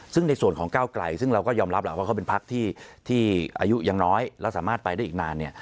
ซึ่งส่วนของเก้าไกลซึ่งเราก็ยอมรับเลยเป็นภาคที่อายุยังน้อยแล้วสามารถไปได้อีกนาน